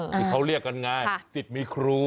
ที่เขาเรียกกันง่ายสิทธิ์มีครู